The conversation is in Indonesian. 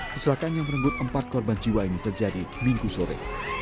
keselakanya menenggut empat korban jiwa ini terjadi minggu sore